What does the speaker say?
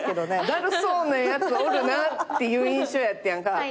だるそうなやつおるなっていう印象やってんやんか。